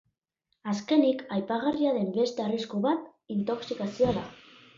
Azkenik, aipagarria den beste arrisku bat intoxikazioa da.